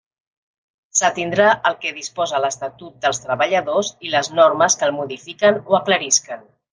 S'atindrà al que disposa l'Estatut dels Treballadors i les normes que el modifiquen o aclarisquen.